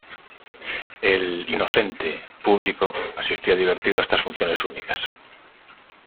El "inocente" público asistía divertido a estas funciones únicas.